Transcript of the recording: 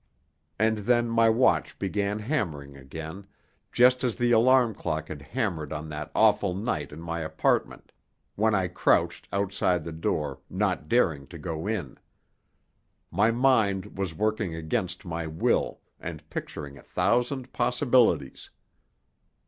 And then my watch began hammering again, just as the alarm clock had hammered on that awful night in my apartment when I crouched outside the door, not daring to go in. My mind was working against my will and picturing a thousand possibilities.